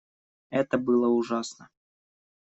Это было ужасно.